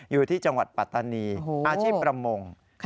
อยู่ที่จังหวัดปัตตานีอาชีพประมง